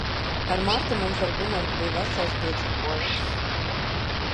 Ar Martu mums ar Gunardu bija vesels piedzīvojums.